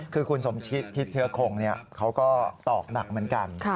คือคุณสมชิตทิศเชื้อคงเขาก็ตอกหนักเหมือนกัน